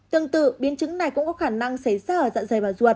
tương tự biến chứng này cũng có khả năng xảy ra ở dạng dày và ruồ